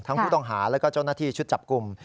ผู้ต้องหาแล้วก็เจ้าหน้าที่ชุดจับกลุ่ม